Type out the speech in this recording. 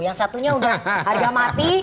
yang satunya udah harga mati